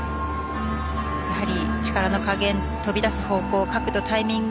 やはり力の加減、飛び出す方向角度のタイミング